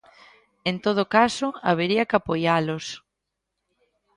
En todo caso habería que apoialos.